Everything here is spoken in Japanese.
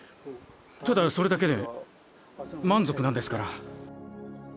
ただそれだけでまんぞくなんですから。